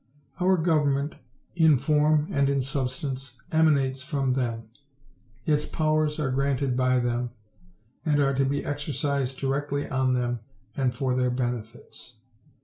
Our government "in form and in substance. .. emanates from them. Its powers are granted by them, and are to be exercised directly on them, and for their benefits."